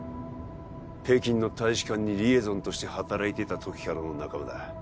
北京の大使館にリエゾンとして働いていた時からの仲間だ